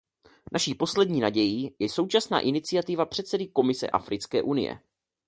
Naší poslední nadějí je současná iniciativa předsedy Komise Africké unie.